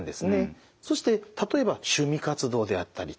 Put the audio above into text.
そして例えば趣味活動であったりと。